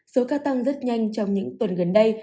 số ca tăng rất nhanh trong những tuần gần đây